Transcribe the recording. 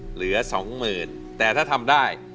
เหลือ๒๐๐๐๐แต่ถ้าทำได้